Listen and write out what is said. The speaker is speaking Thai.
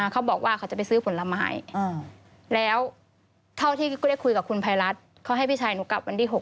เขาบอกว่าเขาจะไปซื้อผลไม้แล้วเท่าที่ก็ได้คุยกับคุณภัยรัฐเขาให้พี่ชายหนูกลับวันที่๖